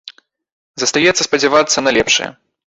Застаецца спадзявацца на лепшае.